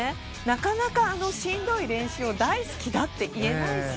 なかなかあのしんどい練習を大好きだって言えないし。